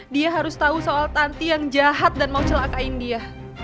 dia harus tahu soal tanti yang jahat dan mau celakain dia